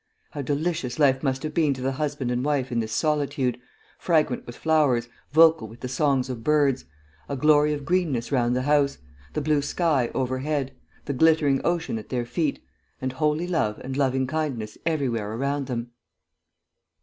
How delicious life must have been to the husband and wife in this solitude, fragrant with flowers, vocal with the songs of birds, a glory of greenness round the house, the blue sky overhead, the glittering ocean at their feet, and holy love and loving kindness everywhere around them!